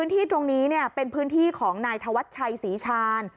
ที่ตรงนี้เป็นพื้นที่ของนายธวัชชัยศรีชาญ